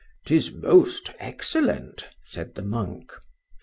—'Tis most excellent, said the monk.